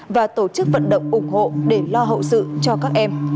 và tổ chức vận động ủng hộ để lo hậu sự cho các em